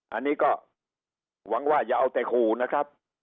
อันนี้ก็หวังว่าอย่าเอาแต่ขู่นะครับ